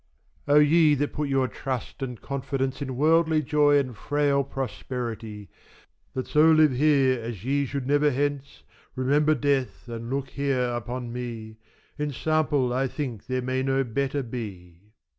O! ye that put your trust and confidence In worldly joy and frail prosperity, That so live here as ye should never hence, Remember death and look here upon me; Ensample I think there may no better be.